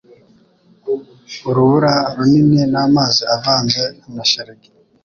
Urubura runini n'amazi avanze na shelegi